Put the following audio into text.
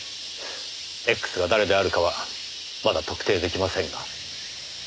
Ｘが誰であるかはまだ特定できませんが。